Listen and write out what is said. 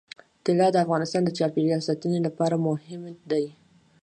طلا د افغانستان د چاپیریال ساتنې لپاره مهم دي.